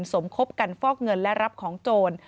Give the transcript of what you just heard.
สมคบกันฟอกเงินและรับของโจร